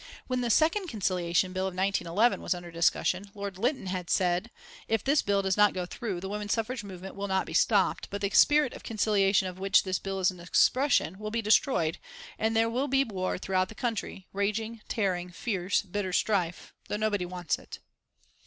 When the second Conciliation Bill, of 1911, was under discussion, Lord Lytton had said: "If this bill does not go through, the woman suffrage movement will not be stopped, but the spirit of conciliation of which this bill is an expression will be destroyed, and there will he war throughout the country, raging, tearing, fierce, bitter strife, though nobody wants it."